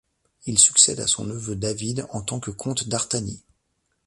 Il succède à son neveu David en tant que comte d'Artani.